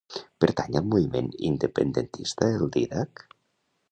Pertany al moviment independentista el Didac?